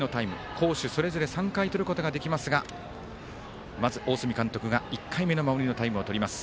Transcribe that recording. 攻守それぞれ３回とることができますがまず大角監督が１回目の守りのタイムをとります。